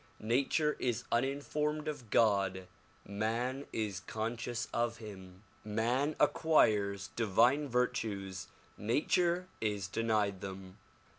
Nature is uninformed of God, man is conscious of him. Man acquires divine virtues, nature is denied them.